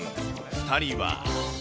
２人は。